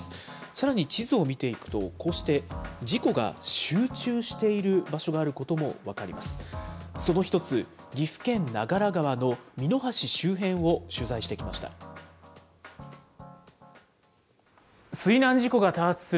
さらに地図を見ていくと、こうして事故が集中している場所があることも分かります。